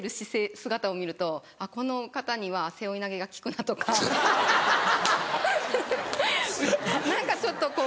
姿を見ると「この方には背負い投げが効くな」とか。何かちょっとこう。